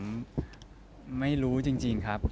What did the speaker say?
ผมไม่รู้จริงครับ